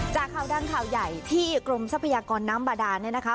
จากข่าวดังข่าวใหญ่ที่กรมทรัพยากรน้ำบาดาเนี่ยนะคะ